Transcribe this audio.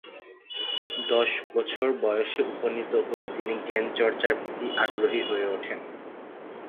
দশ বছর বয়সে উপনীত হয়ে তিনি জ্ঞান চর্চার প্রতি আগ্রহী হয়ে উঠেন।